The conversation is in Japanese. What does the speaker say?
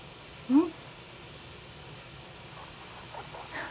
うん？